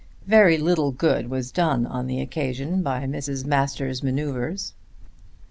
Very little good was done on the occasion by Mrs. Masters' manoeuvres.